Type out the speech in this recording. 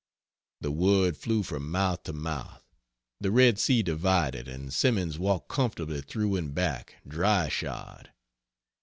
The word flew from mouth to mouth, the Red Sea divided, and Simmons walked comfortably through and back, dry shod.